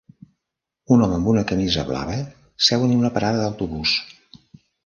Un home amb una camisa blava seu en una parada d'autobús